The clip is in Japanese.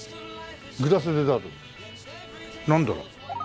グラスデザートなんだろう？